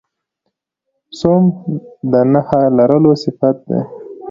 سوم د نخښهلرلو صفت دئ.